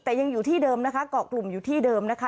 แต่ยังอยู่ที่เดิมนะคะเกาะกลุ่มอยู่ที่เดิมนะคะ